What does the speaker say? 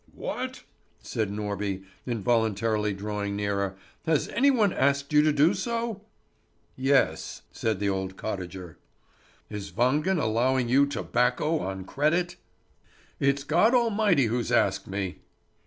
"What?" said Norby, involuntarily drawing nearer. "Has any one asked you to do so?" "Yes," said the old cottager. "Is Wangen allowing you tobacco on credit?" "It's God Almighty who's asked me."